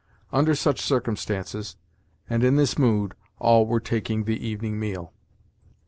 Under such circumstances, and in this mood, all were taking the evening meal.